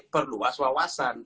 perlu was wawasan